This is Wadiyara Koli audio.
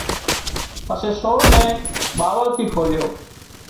پسي سور نين ٻاوۯ ٿي کوليو